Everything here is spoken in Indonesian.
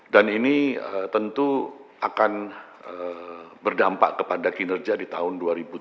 dan ini tentu akan berdampak kepada kinerja di tahun dua ribu tujuh belas